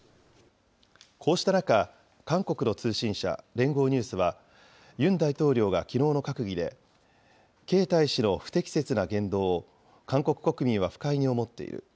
こうした中、韓国の通信社、連合ニュースは、ユン大統領がきのうの閣議で、ケイ大使の不適切な言動を、韓国国民は不快に思っている。